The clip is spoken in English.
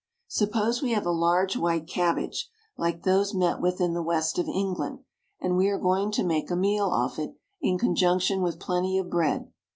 Suppose we have a large white cabbage, like those met with in the West of England, and we are going to make a meal off it in conjunction with plenty of bread.